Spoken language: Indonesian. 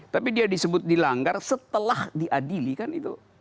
tapi dia disebut dilanggar setelah diadilikan itu